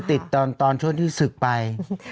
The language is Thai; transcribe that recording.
อาจจะติดตอนช่วงที่ศึกไป